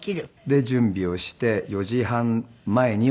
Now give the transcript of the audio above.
で準備をして４時半前には家を出ます。